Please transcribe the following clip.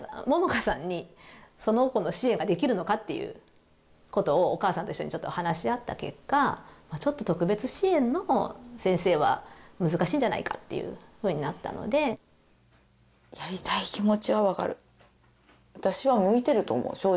萌々花さんにその子の支援ができるのかっていうことをお母さんと一緒にちょっと話し合った結果ちょっと特別支援の先生は難しいんじゃないかっていうふうになったのでやりたい気持ちはわかる私は向いてると思う